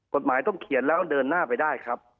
กฎหมายต้องเขียนแล้วเดินหน้าไปได้ครับ